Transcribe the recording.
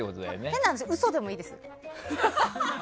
変な話、嘘でもいいです。